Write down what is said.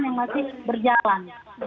yang masih berjalan